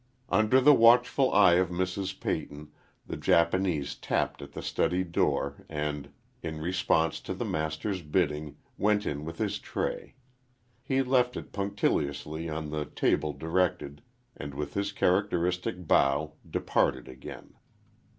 Under the watchful eye of Mrs. Peyton the Japanese tapped at the study door and, in response to the master's bidding, went in with his tray. He left it punctiliously on the table directed, and with his characteristic bow, departed again.